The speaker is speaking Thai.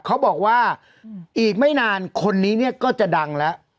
เขาบอกว่าอีกไม่นานคนนี้เนี่ยก็จะดังแล้ว